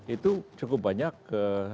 itu cukup banyak